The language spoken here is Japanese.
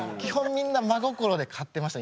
みんな真心で買ってました